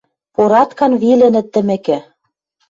Пораткан вилӹнӹт тӹмӹкӹ